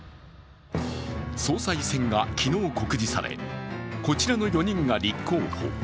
総裁選が昨日告示されこちらの４人が立候補。